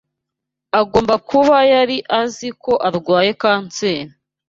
Agomba kuba yari azi ko arwaye kanseri.